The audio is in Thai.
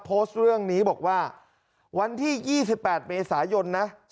โพสต์เรื่องนี้บอกว่าวันที่๒๘เมษายนนะ